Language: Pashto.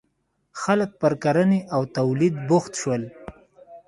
• خلک پر کرنې او تولید بوخت شول.